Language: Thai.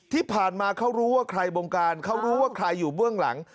ที่ผ่านมาเขารู้ว่าใครบงการเขารู้ว่าใครอยู่เบื้องหลัง